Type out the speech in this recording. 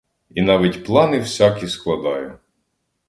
І навіть плани всякі складаю.